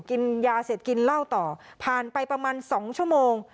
กินยาเสร็จกินเหล้าต่อผ่านไปประมาณ๒ชั่วโมง